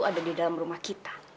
ada di dalam rumah kita